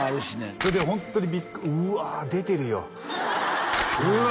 それでホントにうわ出てるようわ